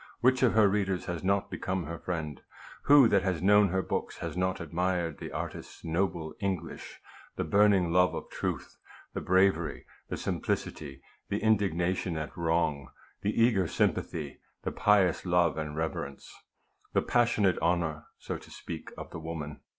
Which of her readers has not become her friend ? Who that has known her books has not admired the artist's noble English, the burn ing love of truth, the bravery, the simplicity, the indignation, at wrong, the eager sympathy, the pious love and reverence, the THE LAST SKETCH. 243 passionate honor, so to speak, of the woman?